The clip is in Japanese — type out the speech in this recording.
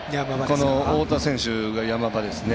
この太田選手が山場ですね。